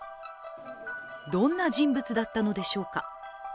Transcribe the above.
どんな人物だったのでしょうか。